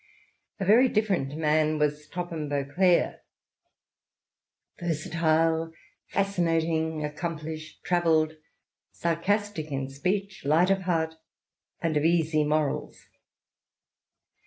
A very different man was Topham Beaucle rk — ^versatile, £suscinating, accomplished, travelled, sarcastic in speech, light of heart, and of easy morals.